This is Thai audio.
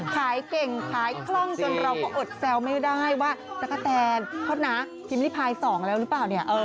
ขายเก่งขายคล่องจนเราก็อดแซวไม่ได้ว่าตะกะแตนโทษนะพิมพ์ริพาย๒แล้วหรือเปล่าเนี่ย